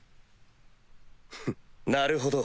フッなるほど。